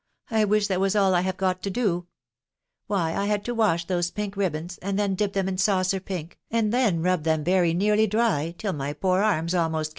I wish that was all I have got to do. ... Why, I had to wash those pink ribands, and then dip them in saucer \At\Y, «&.& \Jfcvs?& tv& *&ktol very nearly dry, till my poor arms a\mo*\.